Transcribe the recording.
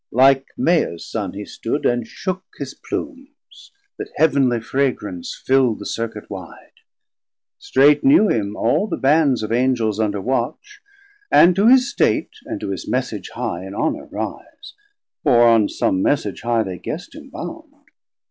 Like Maia's son he stood, And shook his Plumes, that Heav'nly fragrance filld The circuit wide. Strait knew him all the bands Of Angels under watch; and to his state, And to his message high in honour rise; For on som message high they guessd him bound.